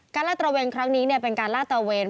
ลาดตระเวนครั้งนี้เป็นการลาดตระเวน